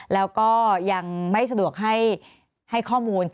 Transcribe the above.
แล้วก็ยังไม่สะดวกให้ข้อมูล